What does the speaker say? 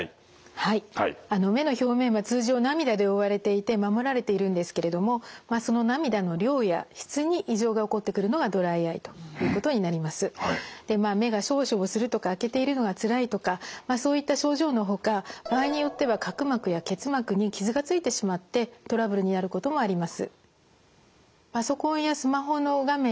はい目の表面は通常涙で覆われていて守られているんですけれども目がしょぼしょぼするとか開けているのがつらいとかそういった症状のほか場合によっては角膜や結膜に傷がついてしまってトラブルになることもあります。